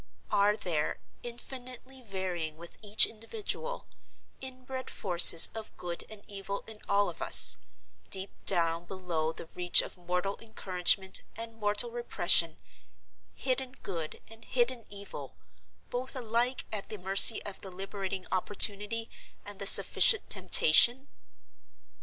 Are there, infinitely varying with each individual, inbred forces of Good and Evil in all of us, deep down below the reach of mortal encouragement and mortal repression—hidden Good and hidden Evil, both alike at the mercy of the liberating opportunity and the sufficient temptation?